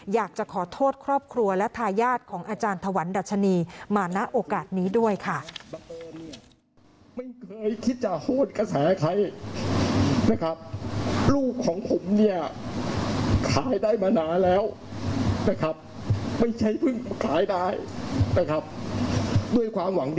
อยากจะขอโทษครอบครัวและทายาทของอาจารย์ถวันดัชนีมาณโอกาสนี้ด้วยค่ะ